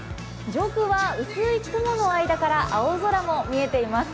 上空は薄い雲の間から青空も見えています。